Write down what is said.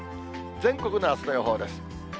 全国のあすの予報です。